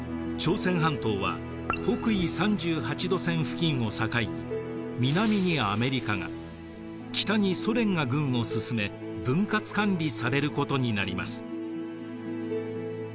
朝鮮半島は北緯３８度線付近を境に南にアメリカが北にソ連が軍を進め分割管理されることになります。